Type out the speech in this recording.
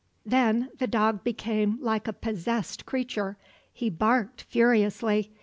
Then the dog became like a possessed creature. He barked furiously.